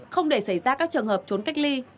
không để xảy ra các trường hợp trốn cách ly